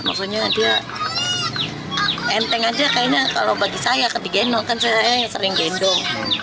maksudnya dia enteng aja kayaknya kalau bagi saya ketika gendong kan saya sering gendong